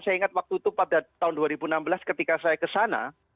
saya ingat waktu itu pada tahun dua ribu enam belas ketika saya kesana